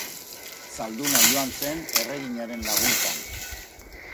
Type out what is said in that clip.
Zalduna joan zen erreginaren laguntzan.